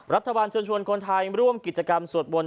รัฐบาลชวนคนไทยร่วมกิจกรรมสวดมนต์